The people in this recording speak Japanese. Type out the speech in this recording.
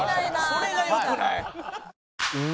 それがよくない！